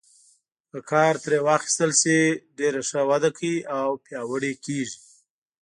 که کار ترې واخیستل شي ډېره ښه وده کوي او پیاوړي کیږي.